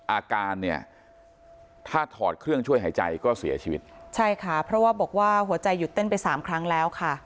อาการเนี่ยถ้าถอดเครื่องช่วยหายใจก็เสียชีวิตใช่ค่ะเพราะว่าบอกว่าหัวใจหยุดเต้นไปสามครั้งแล้วค่ะ